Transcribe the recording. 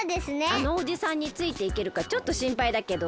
あのおじさんについていけるかちょっとしんぱいだけど。